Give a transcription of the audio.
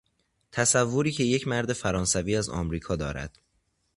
تصوری که یک مرد فرانسوی از امریکا دارد